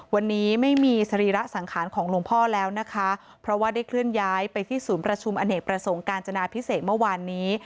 วันนี้ไม่มีสรีระสังขารของหลวงพ่อแล้วนะคะเพราะว่าได้เคลื่อนย้ายไปที่ศูนย์ประชุมอเนกประสงค์การจนาพิเศษเมื่อวานนี้